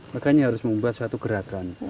makanya harus membuat suatu gerakan